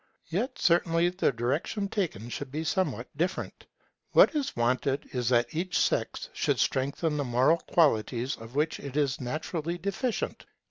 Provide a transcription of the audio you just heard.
Yet certainly the direction taken should be somewhat different. What is wanted is that each sex should strengthen the moral qualities in which it is naturally deficient.